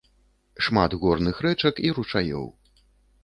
Шмат горных рэчак і ручаёў.